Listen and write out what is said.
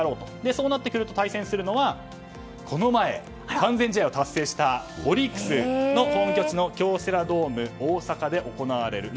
そうなってくると対戦するのはこの前、完全試合を達成したオリックスの本拠地の京セラドーム大阪で行われると。